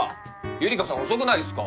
ゆりかさん遅くないっすか？